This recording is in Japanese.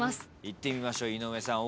いってみましょう井上さん